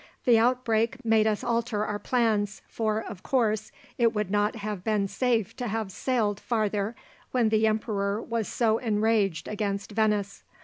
The outbreak made us alter our plans, for, of course, it would not have been safe to have sailed farther when the emperor was so enraged against Venice.